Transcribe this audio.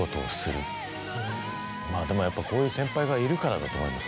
まぁでもやっぱこういう先輩がいるからだと思います。